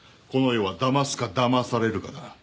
この世はだますかだまされるかだ。